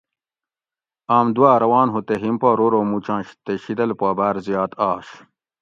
آم دوا روان ہو تے ھِم پا رو رو موچنش تے شیدل پا باۤر زیات آش